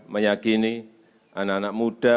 meyakini anak anak muda